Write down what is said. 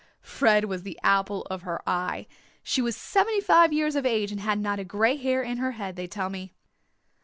Fred was the apple of her eye. She was seventy five years of age and had not a grey hair in her head, they tell me."